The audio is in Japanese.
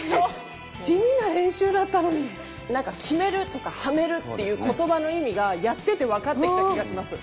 地味な練習だったのに何か極めるとかはめるっていう言葉の意味がやってて分かってきた気がします。